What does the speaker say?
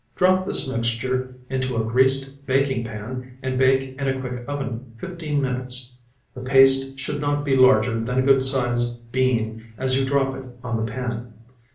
Drop this mixture into a greased baking pan, and bake in a quick oven fifteen minutes. The paste should not be larger than a good sized bean as you drop it on the pan.